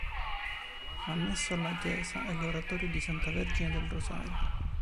Annesso alla chiesa è l'oratorio della Santa Vergine del Rosario.